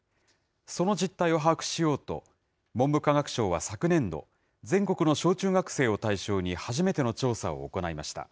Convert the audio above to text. その実態を把握しようと、文部科学省は昨年度、全国の小中学生を対象に初めての調査を行いました。